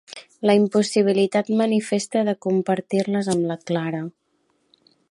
La impossibilitat manifesta de compartir-les amb la Clara.